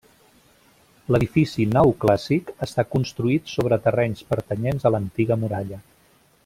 L'edifici neoclàssic està construït sobre terrenys pertanyents a l'antiga muralla.